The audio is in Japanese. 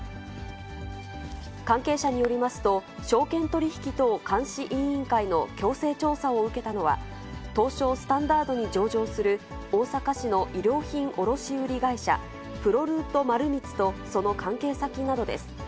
関係者によりますと、証券取引等監視委員会の強制調査を受けたのは、東証スタンダードに上場する、大阪市の衣料品卸売り会社、プロルート丸光とその関係先などです。